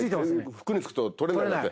服につくととれなくて。